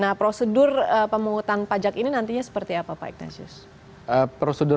nah prosedur pemungutan pajak ini nantinya seperti apa pak ignatius